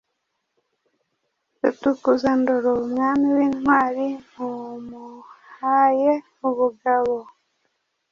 Rutukuza-ndoro umwami w’intwari, Mumuhaye ubugabo